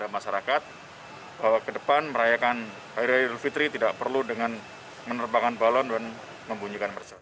bagaimana cara atau seumur hidup